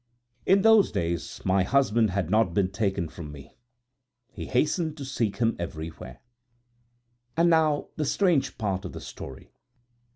In those days my husband had not been taken from me; he hastened to seek him everywhere. "And now for the strange part of the story.